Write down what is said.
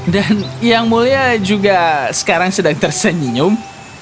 yang mulia juga sekarang sedang tersenyum